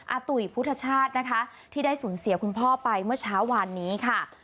อาตุ๋ยพุทธชาตินะคะที่ได้สูญเสียคุณพ่อไปเมื่อเช้าวานนี้ค่ะ